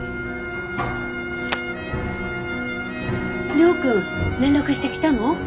亮君連絡してきたの？